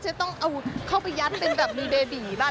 จะต้องเอาเข้าไปยัดเป็นแบบมีเบบีบ้าง